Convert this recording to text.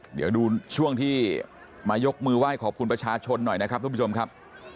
เดี๋ยวดูช่วงที่มายกมือไหว้ขอบคุณประชาชนหน่อยนะครับทุกผู้ชมครับ